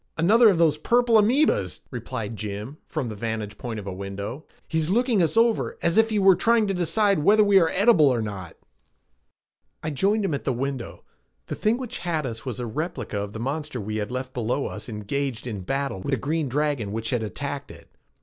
"Another of those purple amoebas," replied Jim from the vantage point of a window. "He's looking us over as if he were trying to decide whether we are edible or not." I joined him at the window. The thing which had us was a replica of the monster we had left below us engaged in battle with the green dragon which had attacked it.